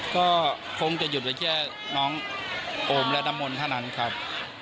ก็คงจะหยุดไปแค่น้องโอมและน้ำมนต์เท่านั้นครับ